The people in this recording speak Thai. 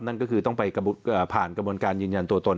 นั่นก็คือต้องไปผ่านกระบวนการยืนยันตัวตน